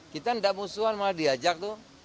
kita tidak musuhan malah diajak tuh